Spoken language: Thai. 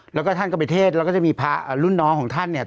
แล้วก็ท่านก็ไปเทศแล้วก็จะมีพระรุ่นน้องของท่านเนี่ย